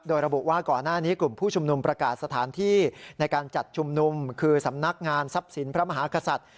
โดยระบุว่าก่อนหน้านี้กลุ่มผู้ชุมนุมประกาศสถานที่ในการจัดชุมนุมคือสำนักงานทรัพย์สินพระมหากษัตริย์